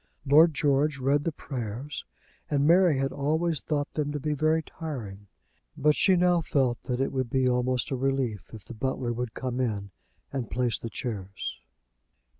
Lord George read the prayers, and Mary had always thought them to be very tiring. But she now felt that it would almost be a relief if the butler would come in and place the chairs.